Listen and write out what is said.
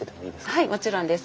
はいもちろんです。